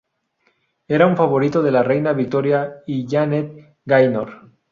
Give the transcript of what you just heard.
Era un favorito de la reina Victoria y Janet Gaynor.